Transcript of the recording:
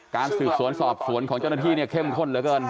การสืบสวนสอบสวนของเจ้าหน้าที่เนี่ยเข้มข้นเหลือเกิน